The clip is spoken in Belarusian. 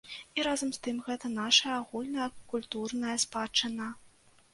І разам з тым, гэта нашая агульная культурная спадчына.